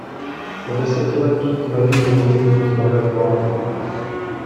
Po desetiletí tvrdých bojů ho zbavil vlády.